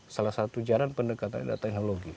salah satu jalan pendekatan